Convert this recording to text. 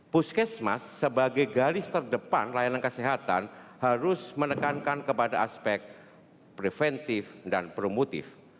puskesmas sebagai garis terdepan layanan kesehatan harus menekankan kepada aspek preventif dan promotif